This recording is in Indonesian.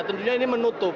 tentunya ini menutup